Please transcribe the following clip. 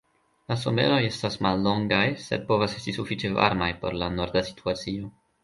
La someroj estas mallongaj, sed povas esti sufiĉe varmaj por la norda situacio.